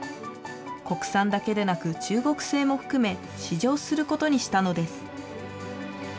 国産だけでなく中国製も含め、試乗することにしたのです。